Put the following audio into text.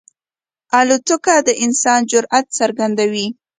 الوتکه د انسان جرئت څرګندوي.